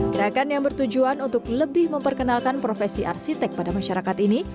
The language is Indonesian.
gerakan yang bertujuan untuk lebih memperkenalkan profesi arsitek pada masyarakat ini